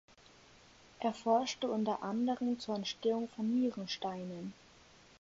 Er forschte unter anderem zur Entstehung von Nierensteinen.